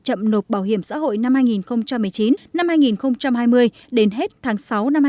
chậm nộp bảo hiểm xã hội năm hai nghìn một mươi chín hai nghìn hai mươi đến hết tháng sáu năm hai nghìn hai mươi